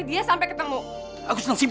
besok besok kalau bisa nih